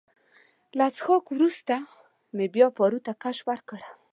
له څښاکه وروسته مې بیا پارو ته کش ورکړ.